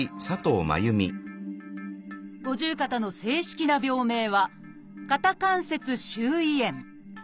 「五十肩」の正式な病名は「肩関節周囲炎」。